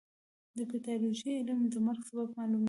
د پیتالوژي علم د مرګ سبب معلوموي.